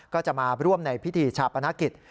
ก็จะมาร่วมในพิธีชาปนกิจ